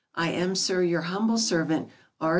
I am, SIR, your humble servant, R.